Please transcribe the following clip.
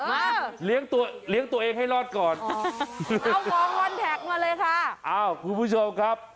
มาเลี้ยงตัวเลี้ยงตัวเองให้รอดก่อนเอาของวันแท็กมาเลยค่ะอ้าวคุณผู้ชมครับ